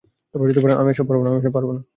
আমি এসব পারবো না।